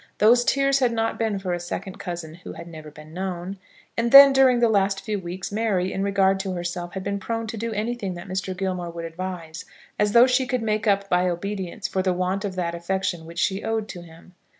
Those tears had not been for a second cousin who had never been known. And then, during the last few weeks, Mary, in regard to herself, had been prone to do anything that Mr. Gilmore would advise, as though she could make up by obedience for the want of that affection which she owed to him.